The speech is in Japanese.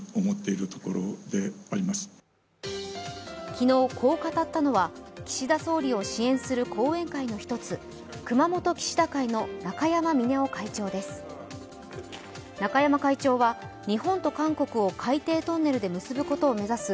昨日こう語ったのは岸田総理を支援する後援会の１つ熊本岸田会の中山峰男会長です。